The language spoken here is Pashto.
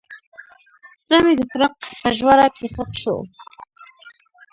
زړه مې د فراق په ژوره کې ښخ شو.